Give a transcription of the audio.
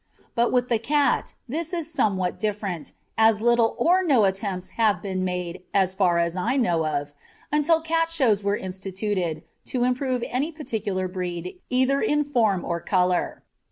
But with the cat this is somewhat different, as little or no attempts have been made, as far as I know of, until cat shows were instituted, to improve any particular breed either in form or colour.